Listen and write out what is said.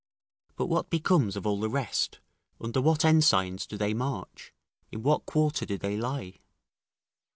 But what becomes of all the rest, under what ensigns do they march, in what quarter do they lie?